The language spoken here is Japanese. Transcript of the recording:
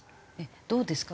どうですか？